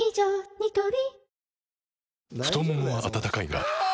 ニトリ太ももは温かいがあ！